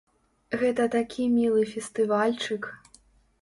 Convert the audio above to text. Гэта такі мілы фестывальчык.